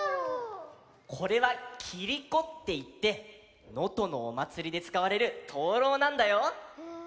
これはキリコっていって能登のおまつりでつかわれるとうろうなんだよ。